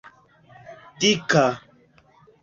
dika